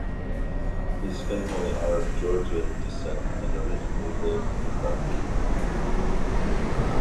His family are of Georgian descent and originally lived in Batumi.